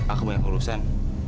aku mau yang urusan